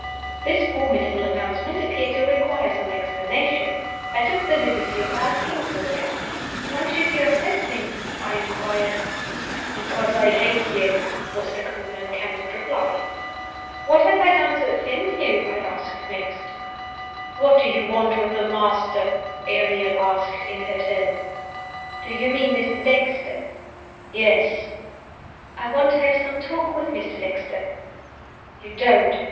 This formidable announcement appeared to require some explanation. I took the liberty of asking for it. "Why should you upset me?" I inquired. "Because I hate you," was the cool and candid reply. "What have I done to offend you?" I asked next. "What do you want with the Master?" Ariel asked, in her turn. "Do you mean Mr. Dexter?" "Yes." "I want to have some talk with Mr. Dexter." "You don't!